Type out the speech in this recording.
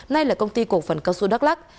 nay là công ty cổ phần cao xu đắk lắc